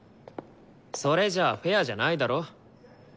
それじゃあフェアじゃないだろう？